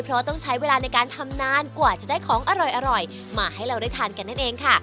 เพราะต้องใช้เวลาในการทำนานกว่าจะได้ของอร่อยมาให้เราได้ทานกันนั่นเองค่ะ